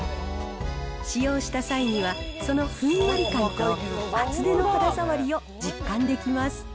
使用した際には、そのふんわり感と、厚手の肌触りを実感できます。